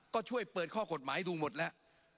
ก็ช่วยเปิดข้อกฎหมายดูหมดแล้ว